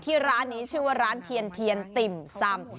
ที่ร้านนี้ชื่อว่าร้านเทียนติ่มซำ